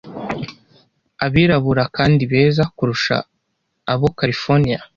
abirabura kandi beza kurusha abo California.